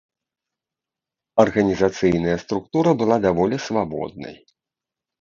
Арганізацыйная структура была даволі свабоднай.